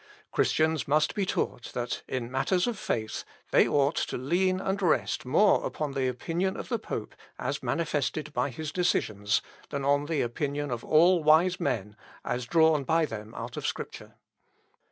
"Christians must be taught that in matters of faith they ought to lean and rest more upon the opinion of the pope, as manifested by his decisions, than on the opinion of all wise men, as drawn by them out of Scripture.